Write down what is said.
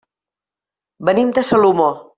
Venim de Salomó.